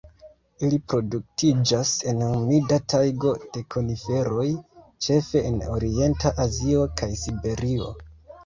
Ili reproduktiĝas en humida tajgo de koniferoj, ĉefe en orienta Azio kaj Siberio.